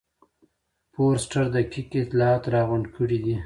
فورسټر دقیق اطلاعات راغونډ کړي دي.